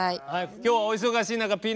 今日はお忙しい中ぴぃ